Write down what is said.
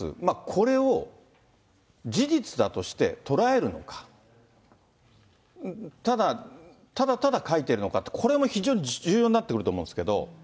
これを事実だとして捉えるのか、ただ、ただただ書いているのかって、これも非常に重要になってくると思うんですけど。